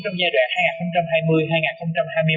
trong giai đoạn hai nghìn hai mươi hai nghìn hai mươi năm